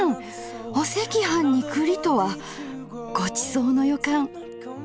お赤飯に栗とはごちそうの予感。